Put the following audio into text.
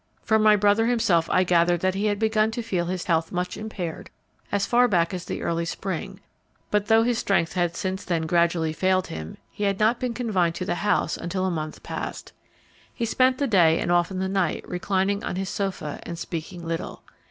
From my brother himself I gathered that he had begun to feel his health much impaired as far back as the early spring, but though his strength had since then gradually failed him, he had not been confined to the house until a month past. He spent the day and often the night reclining on his sofa and speaking little.